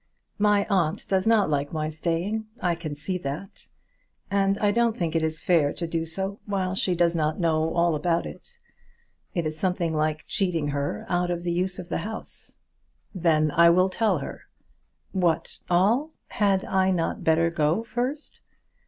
"My aunt does not like my staying; I can see that; and I don't think it is fair to do so while she does not know all about it. It is something like cheating her out of the use of the house." "Then I will tell her." "What, all? Had I not better go first?"